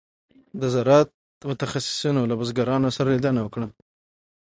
د زراعت متخصصینو له بزګرانو سره لیدنه وکړه.